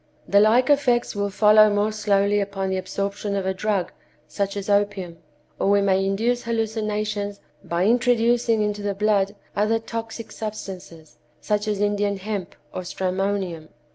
The like effects will follow more slowly upon the absorption of a drug, such as opium; or we may induce hallucinations by introducing into the blood other toxic substances, such as Indian hemp or stramonium.